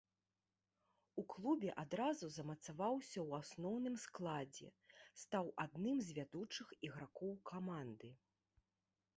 У клубе адразу замацаваўся ў асноўным складзе, стаў адным з вядучых ігракоў каманды.